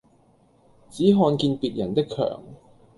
只看見別人的强